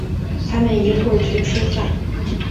他们一会儿去吃饭。